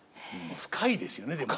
深いですよねでも。